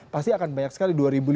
pasti akan banyak sekali